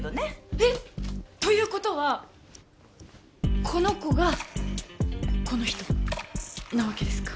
えっ！という事はこの子がこの人なわけですか。